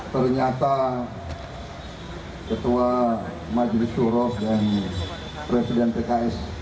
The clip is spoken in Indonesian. ternyata ketua majelis suros dan presiden pks